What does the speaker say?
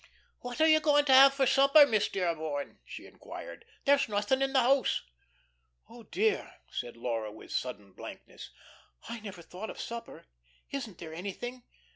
"What are you going to have for supper, Miss Dearborn?" she inquired. "There's nothing in the house." "Oh, dear," said Laura with sudden blankness, "I never thought of supper. Isn't there anything?"